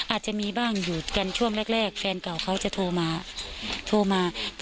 อาจจะมีบ้างอยู่กันช่วงแรกแฟนเก่าเขาจะโทรมาโทรมา